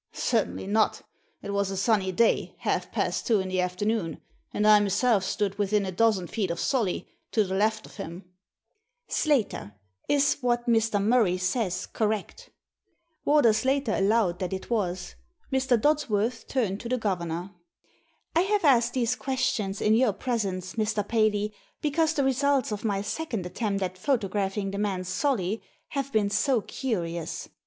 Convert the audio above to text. "" Certainly not It was a sunny day, half past two Digitized by VjOOQIC 22 THE SEEN AND THE UNSEEN in the afternoon, and I myself stood within a dozen feet of Solly, to the left of him," " Slater, is what Mr. Murray says correct ?" Warder Slater allowed that it was. Mr. Dods worth turned to the governor. " I have asked these questions in your presence, Mr. Paley, because the results of my second attempt at photographing the man Solly have been so curious.